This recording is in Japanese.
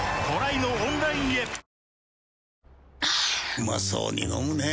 うまそうに飲むねぇ。